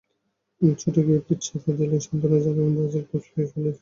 ছুটে গিয়ে পিঠ চাপড়ে দিলেন, সান্ত্বনা জানালেন ব্রাজিল কোচ লুইস ফেলিপে স্কলারিও।